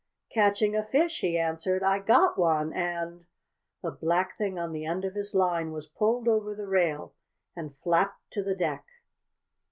"Catching a fish!" he answered. "I got one and " The black thing on the end of his line was pulled over the rail and flapped to the deck.